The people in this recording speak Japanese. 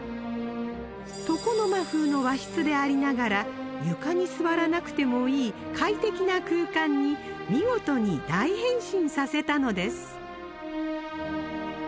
床の間風の和室でありながら床に座らなくてもいい快適な空間に見事に大変身させたのです